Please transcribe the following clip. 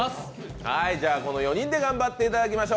この４人で頑張っていただきましょう。